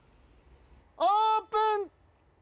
オープン！